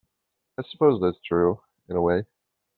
I suppose that's true in a way.